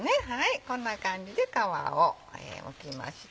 こんな感じで皮をむきました。